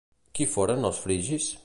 Qui foren els frigis?